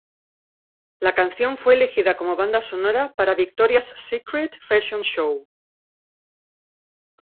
La canción fue elegida como banda sonora para "Victoria's Secret Fashion Show".